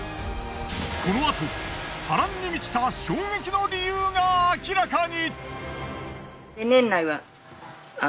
このあと波瀾に満ちた衝撃の理由が明らかに！